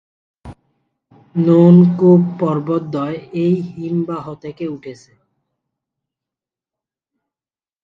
নুন কুন পর্বতদ্বয় এই হিমবাহ থেকে উঠেছে।